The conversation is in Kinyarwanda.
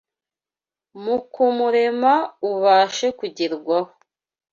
mu kumurema ubashe kugerwaho.